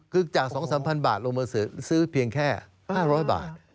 คือจาก๒๓๐๐บาทลงมาซื้อเพียงแค่๕๐๐บาท